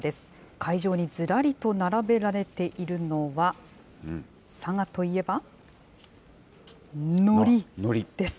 会場にずらりと並べられているのは、佐賀といえば、のりです。